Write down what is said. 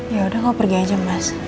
yaudah kau pergi aja mas